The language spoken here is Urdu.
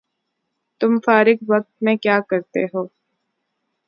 تم فارغ وقت میں کیاکرتےہو؟